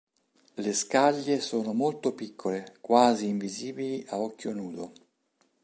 Le scaglie sono molto piccole, quasi invisibili a occhio nudo.